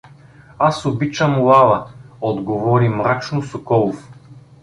— Аз обичам Лала — отговори мрачно Соколов.